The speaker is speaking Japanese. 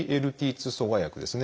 ２阻害薬ですね。